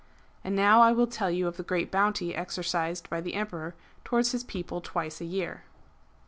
And now I will tell you of the great bounty exercised by the Emperor towards his people twice a year.